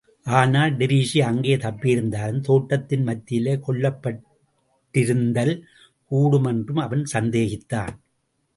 ஆனால், டிரீஸி அங்கே தப்பியிருந்தாலும் தோட்டத்தின் மத்தியிலே கொல்லப்பட்டிருந்தல் கூடும் என்றும் அவன் சந்தேகித்தான்.